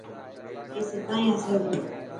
اي سداين هسي تو.